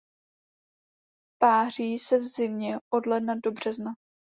Páří se v zimě od ledna do března.